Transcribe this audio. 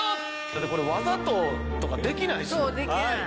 だってこれわざととかできないですもん。